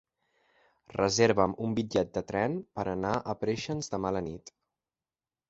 Reserva'm un bitllet de tren per anar a Preixens demà a la nit.